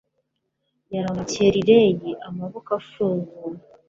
Yaramukije Riley amaboko afunguye